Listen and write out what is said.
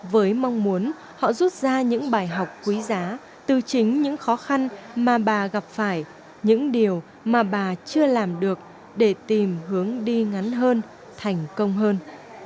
với mong muốn họ rút ra những bài học quý giá từ chính những khó khăn mà bà gặp phải những điều mà bà chưa làm được để tìm hướng đi ngắn hơn thành công hơn